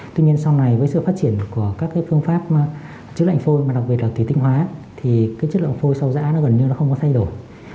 tuy nhiên sau này với sự phát triển của các cái phương pháp chức lệnh phôi mà đặc biệt là tùy tinh hóa thì cái chất lượng phôi sâu dã nó gần như nó không có thay đổi